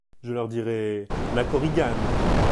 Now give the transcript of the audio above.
Je leur dirai … LA KORIGANE.